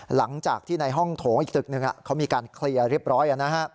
หลังจากที่ในห้องโถงอีกตึกหนึ่งเขามีการเคลียร์เรียบร้อย